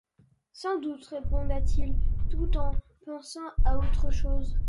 Sans doute, répondait-il tout en pensant à autre chose.